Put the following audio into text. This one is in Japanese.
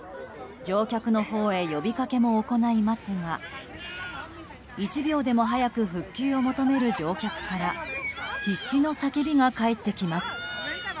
乗客のほうへ呼びかけも行いますが１秒でも早く復帰を求める乗客から必死の叫びが返ってきます。